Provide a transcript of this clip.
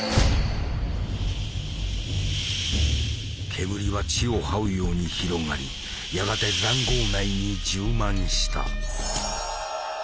煙は地をはうように広がりやがて塹壕内に充満した。